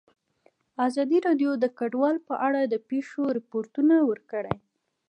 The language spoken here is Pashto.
ازادي راډیو د کډوال په اړه د پېښو رپوټونه ورکړي.